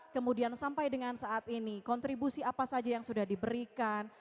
kemudian sampai dengan saat ini kontribusi apa saja yang sudah diberikan